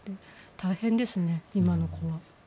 大変ですね、今の子は。